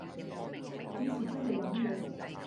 幾時出去飲野